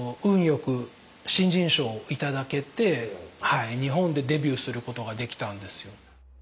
よく新人賞を頂けて日本でデビューすることができたんですよ。